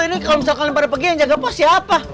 ini kalau misalkan pada pagi yang jaga pos siapa